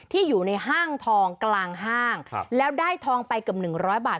ที่อยู่ในห้างทองกลางห้างแล้วได้ทองไปเกือบ๑๐๐บาท